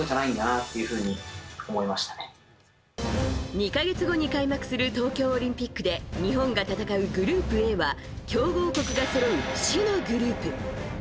２か月後に開幕する東京オリンピックで日本が戦うグループＡは強豪国がそろう死のグループ。